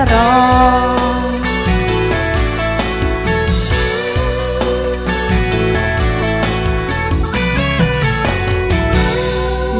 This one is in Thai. มันก็ไม่รู้แต่มันก็ไม่รู้